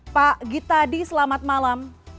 pak gita di selamat malam